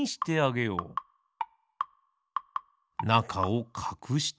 なかをかくして。